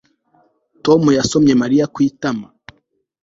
Tom yasomye Mariya ku itama